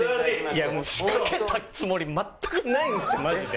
仕掛けたつもり全くないんですよマジで。